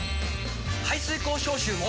排水口消臭も！